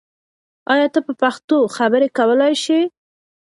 آیا ته په پښتو خبرې کولای سې؟